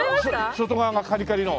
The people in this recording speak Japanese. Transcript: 外側がカリカリの。